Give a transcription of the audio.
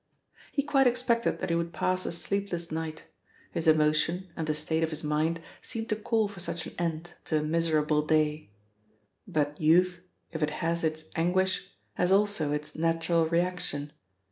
He quite expected that he would pass a sleepless night; his emotion and the state of his mind seemed to call for such an end to a miserable day, but youth, if it has its anguish, has also its natural reaction.